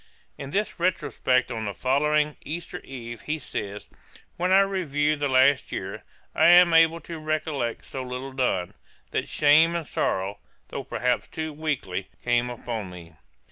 In his retrospect on the following Easter Eve, he says, 'When I review the last year, I am able to recollect so little done, that shame and sorrow, though perhaps too weakly, come upon me.'